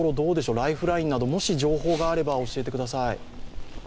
ライフラインなど、もし、情報があれば教えてください。